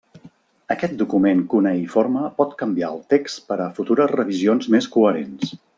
Aquest document cuneïforme pot canviar el text per a futures revisions més coherents.